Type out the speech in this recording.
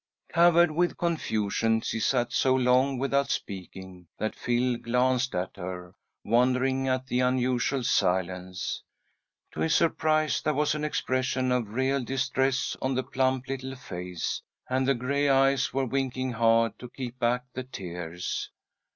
Covered with confusion, she sat so long without speaking that Phil glanced at her, wondering at the unusual silence. To his surprise there was an expression of real distress on the plump little face, and the gray eyes were winking hard to keep back the tears.